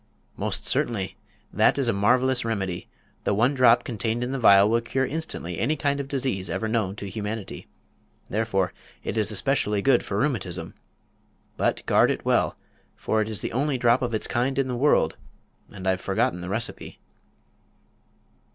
"Most certainly. That is a marvelous remedy. The one drop contained in the vial will cure instantly any kind of disease ever known to humanity. Therefore it is especially good for rheumatism. But guard it well, for it is the only drop of its kind in the world, and I've forgotten the recipe."